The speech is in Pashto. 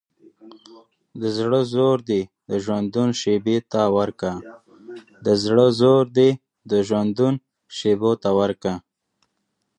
د زړه زور دي د ژوندون شېبو ته وركه